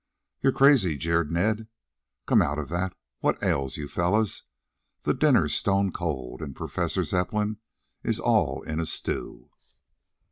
"You're crazy!" jeered Ned. "Come out of that. What ails you fellows? The dinner's stone cold and Professor Zepplin is all in the stew."